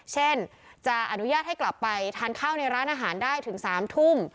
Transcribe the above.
เช่นจะอนุญาตให้กลับไปทานข้าวในร้านอาหารได้ถึง๓ทุ่ม